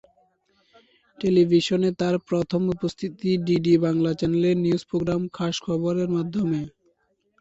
টেলিভিশনে তার প্রথম উপস্থিতি ডিডি বাংলা চ্যানেলের নিউজ প্রোগ্রাম "খাস খবর"এর মাধ্যমে।